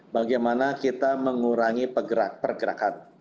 bagaimana kita mengurangi pergerakan